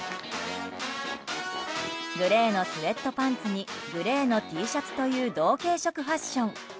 グレーのスウェットパンツにグレーのＴシャツという同系色ファッション。